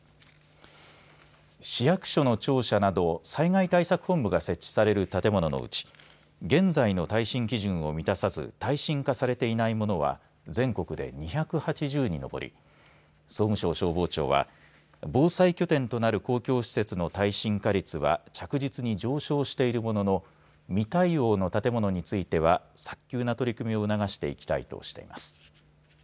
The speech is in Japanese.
市役所の庁舎など災害対策本部が設置される建物のうち現在の耐震基準を満たさず耐震化されていないものは全国で２８０に上り総務省消防庁は防災拠点となる公共施設の耐震化率は着実に上昇しているものの未対応の建物については早急な取り組みを促していきたいとしています。